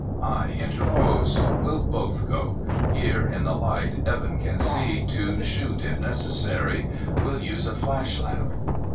I interposed. "We'll both go. Here, in the light, Evan can see to shoot if necessary. We'll use a flash lamp."